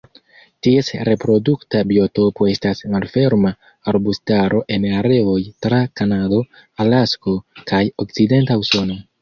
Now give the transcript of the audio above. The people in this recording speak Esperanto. Ties reprodukta biotopo estas malferma arbustaro en areoj tra Kanado, Alasko kaj okcidenta Usono.